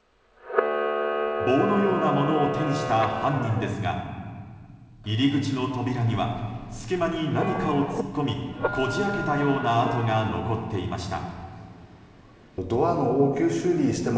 棒のようなものを手にした犯人ですが入り口の扉には隙間に何かを突っ込みこじ開けたような跡が残っていました。